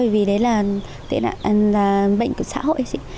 bởi vì đấy là bệnh của xã hội